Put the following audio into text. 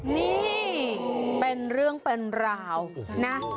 นี่เป็นเรื่องเป็นราวนะ